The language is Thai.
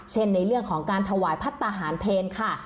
ในเรื่องของการถวายพัฒนาหารเพลค่ะ